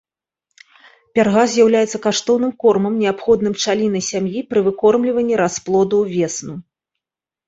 Пярга з'яўляецца каштоўным кормам, неабходным пчалінай сям'і пры выкормліванні расплоду увесну.